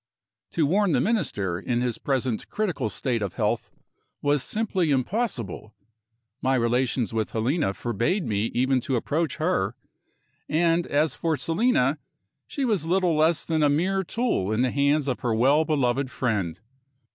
To warn the Minister, in his present critical state of health, was simply impossible. My relations with Helena forbade me even to approach her. And, as for Selina, she was little less than a mere tool in the hands of her well beloved friend.